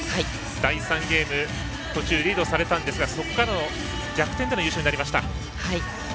第３ゲーム、途中リードされたんですがそこから逆転での優勝となりました。